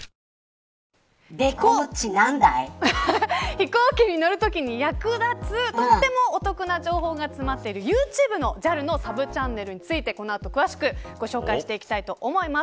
飛行機に乗るときに役立つ、とってもお得な情報が詰まっているユーチューブのＪＡＬのサブチャンネルについてこの後詳しくご紹介していきたいと思います。